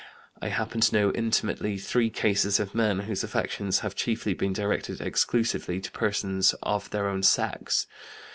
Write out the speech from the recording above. I happen to know intimately three cases of men whose affections have chiefly been directed exclusively to persons of their own sex.